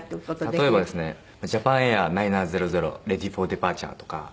例えばですね「ジャパンエア９００レディーフォーデパーチャー」とか。